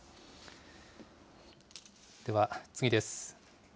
では、次です。